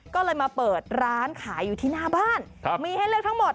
ก็เลยมาเปิดร้านขายอยู่ที่หน้าบ้านมีให้เลือกทั้งหมด